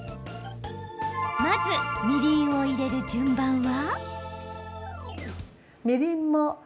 まず、みりんを入れる順番は？